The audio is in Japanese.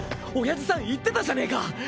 おやじさん言ってたじゃねえか！